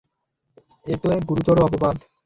এতে এক গুরুতর অপবাদ।